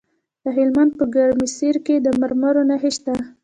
د هلمند په ګرمسیر کې د مرمرو نښې شته.